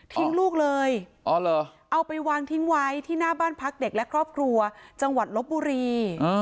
ลูกเลยเอาไปวางทิ้งไว้ที่หน้าบ้านพักเด็กและครอบครัวจังหวัดลบบุรี